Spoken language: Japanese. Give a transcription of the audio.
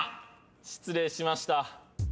失礼しました。